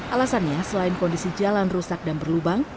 alasannya selain kondisi jalan rusak dan berlubang